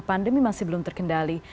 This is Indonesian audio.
pandemi masih belum terkendali